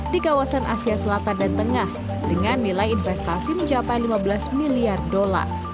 di kawasan asia selatan dan tengah dengan nilai investasi mencapai lima belas miliar dolar